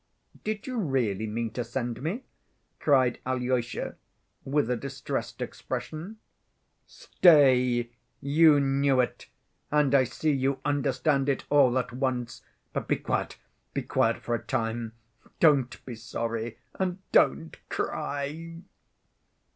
"Did you really mean to send me?" cried Alyosha with a distressed expression. "Stay! You knew it! And I see you understand it all at once. But be quiet, be quiet for a time. Don't be sorry, and don't cry."